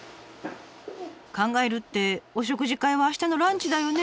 「考える」ってお食事会は明日のランチだよね？